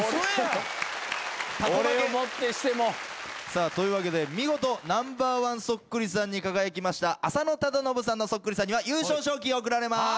さあというわけで見事ナンバーワンそっくりさんに輝きました浅野忠信さんのそっくりさんには優勝賞金贈られます。